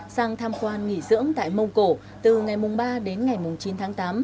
sang tham quan nghỉ dưỡng tại mông cổ từ ngày ba đến ngày chín tháng tám